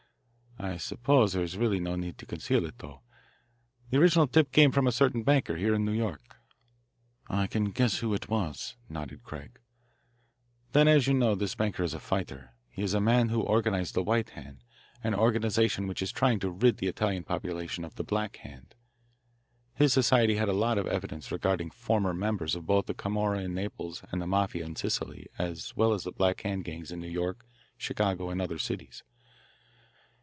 I suppose there is really no need to conceal it, though. The original tip came from a certain banker here in New York." "I can guess who it was," nodded Craig. "Then, as you know, this banker is a fighter. He is the man who organised the White Hand an organisation which is trying to rid the Italian population of the Black Hand. His society had a lot of evidence regarding former members of both the Camorra in Naples and the Mafia in Sicily, as well as the Black Hand gangs in New York, Chicago, and other cities.